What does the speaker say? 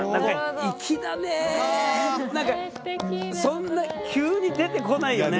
そんな急に出てこないよね？